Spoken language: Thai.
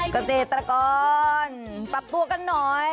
เกษตรกรปรับตัวกันหน่อย